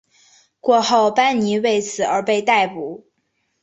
过后班尼为此而被逮捕。